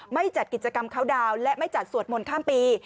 จัดกิจกรรมเข้าดาวน์และไม่จัดสวดมนต์ข้ามปี